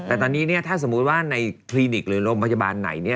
แต่ตอนนี้ถ้าสมมุติว่าในคลินิกหรือโรงพยาบาลไหน